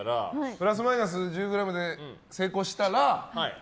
プラスマイナス１０ｇで成功したら。